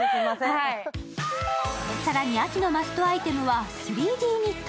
更に秋のマストアイテムは３Ｄニット。